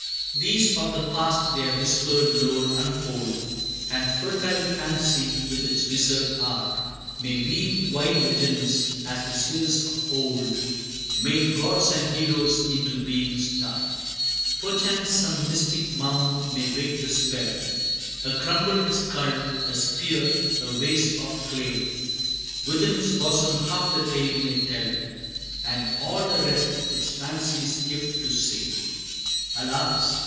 V. These of the past their whispered lore unfold, And fertile fancy with its wizard art, May weave wild legends, as the seers of old Made gods and heroes into being start. Perchance some mystic mound may wake the spell: A crumbled skull a spear a vase of clay Within its bosom half the tale may tell And all the rest 'tis fancy's gift to say. Alas!